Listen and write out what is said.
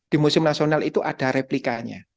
di museum nasional itu ada replikanya